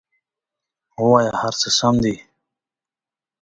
ووایه هر څه سم دي!